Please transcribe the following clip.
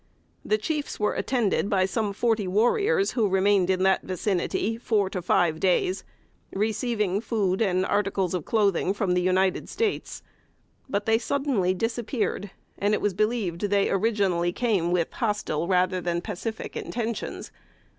The chiefs were attended by some forty warriors, who remained in that vicinity four or five days, receiving food and articles of clothing from the United States; but they suddenly disappeared, and it was believed they originally came with hostile, rather than pacific, intentions.